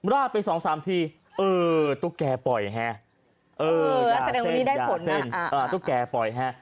ราดไปสองสามทีเออตุ๊กแก่ปล่อยฮะเออยาเส้นยาเส้นตุ๊กแก่ปล่อยฮะ